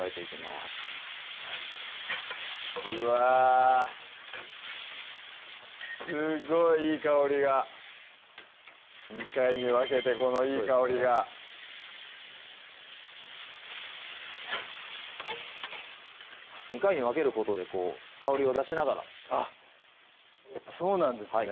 すっごいいい香りが２回に分けてこのいい香りが２回に分けることで香りを出しながらあっやっぱそうなんですね